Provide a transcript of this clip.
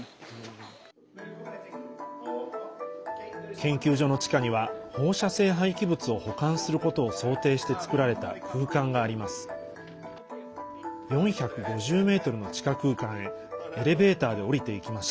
研究所の地下には放射性廃棄物を保管することを想定して作られた空間があります。